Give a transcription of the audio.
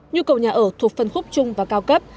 nhu cầu nhà ở thuộc phân khúc chung và cao cấp